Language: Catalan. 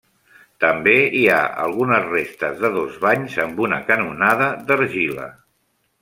També hi ha algunes restes de dos banys amb una canonada d'argila.